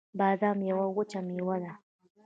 بادام یوه وچه مېوه ده